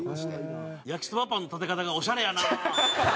焼きそばパンの立て方がオシャレやな。